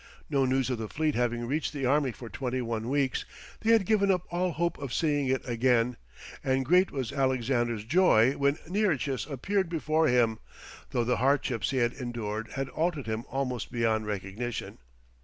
No news of the fleet having reached the army for twenty one weeks, they had given up all hope of seeing it again, and great was Alexander's joy when Nearchus appeared before him, though the hardships he had endured had altered him almost beyond recognition.